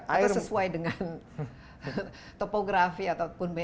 atau sesuai dengan topografi ataupun basi